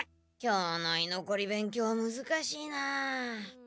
今日のいのこり勉強むずかしいなあ。